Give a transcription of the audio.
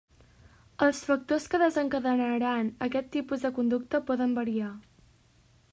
Els factors que desencadenaran aquest tipus de conducta poden variar.